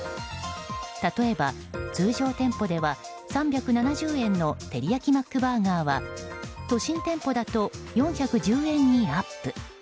例えば、通常店舗では３７０円のてりやきマックバーガーは都心店舗だと４１０円にアップ。